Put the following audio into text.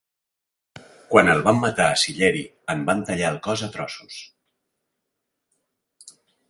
Quan el van matar a Sillery, en van tallar el cos a trossos.